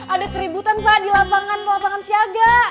ada keributan pak di lapangan lapangan siaga